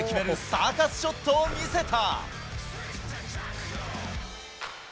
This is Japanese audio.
サーカスショットを決めた。